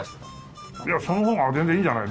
その方が全然いいんじゃない？